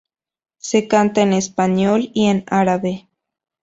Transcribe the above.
Se canta en español y en árabe.